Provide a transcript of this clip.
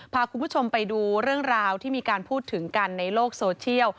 พาคุณผู้ชมไปดูเรื่องราวที่มีการพูดถึงกันในโลกโซเชียล